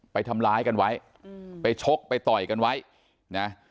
ไปทำร้ายกันไว้อืมไปชกไปต่อยกันไว้นะ